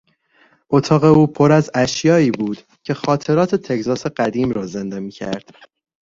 اتاق او پر از اشیایی بود که خاطرات تگزاس قدیم را زنده میکرد.